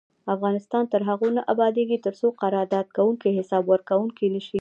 افغانستان تر هغو نه ابادیږي، ترڅو قرارداد کوونکي حساب ورکوونکي نشي.